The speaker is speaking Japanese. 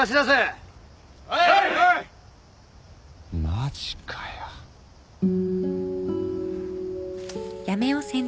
マジかよ。